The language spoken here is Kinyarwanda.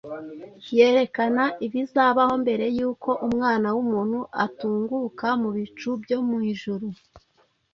yerekana ibizabaho mbere yuko Umwana w’umuntu atunguka mu bicu byo mu ijuru